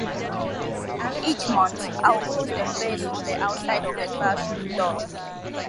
Each month, I'll post the verse on the outside of the classroom door.